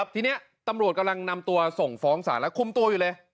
ทีนี้ตำรวจกำลังนำตัวส่งฟ้องศาลแล้วคุมตัวอยู่เลย